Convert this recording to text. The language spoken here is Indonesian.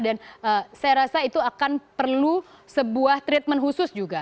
dan saya rasa itu akan perlu sebuah treatment khusus juga